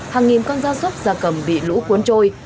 hàng nghìn con da sốt ra cầm bị lũ cuốn trôi